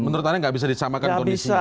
menurut anda nggak bisa disamakan kondisinya